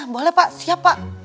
boleh pak siap pak